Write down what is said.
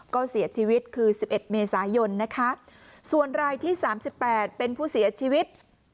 ก็เสียชีวิตคือ๑๑เมษายนนะคะส่วนรายที่๓๘เป็นผู้เสียชีวิต